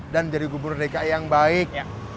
dan jadi gubernur dki yang baik